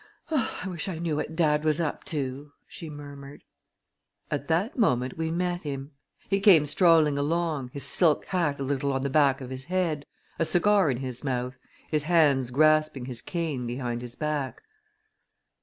"I wish I knew what dad was up to!" she murmured. At that moment we met him. He came strolling along, his silk hat a little on the back of his head, a cigar in his mouth, his hands grasping his cane behind his back.